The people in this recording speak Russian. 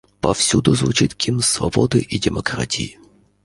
Повсюду звучит гимн свободы и демократии.